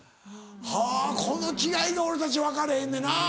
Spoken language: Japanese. はぁこの違いが俺たち分からへんねな。